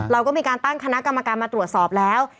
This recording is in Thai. เราก็มีการตั้งคณะกรรมการมาตรวจสอบแล้ว